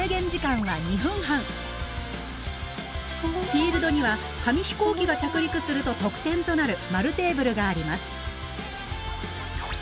フィールドには紙飛行機が着陸すると得点となる円テーブルがあります。